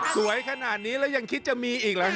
สวยขนาดนี้แล้วยังคิดจะมีอีกเหรอฮ